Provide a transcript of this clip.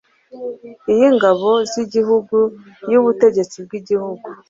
iy’Ingabo z’Igihugu, iy’Ubutegetsi bw’Igihugu,